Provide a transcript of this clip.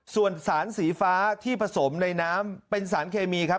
ส่วนสารสีฟ้าที่ผสมในน้ำเป็นสารเคมีครับ